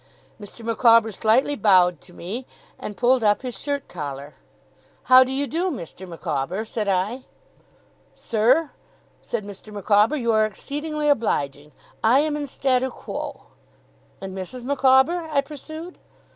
Mr. Micawber slightly bowed to me, and pulled up his shirt collar. 'How do you do, Mr. Micawber?' said I. 'Sir,' said Mr. Micawber, 'you are exceedingly obliging. I am in statu quo.' 'And Mrs. Micawber?' I pursued.